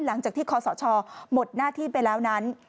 หลังจากที่คอสชหมดหน้าที่ไปแล้วนั้น